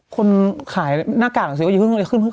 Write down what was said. คุณพี่บอกคนขายหน้ากากหนังสือ